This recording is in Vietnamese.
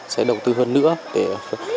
sẽ đầu tư hơn nữa để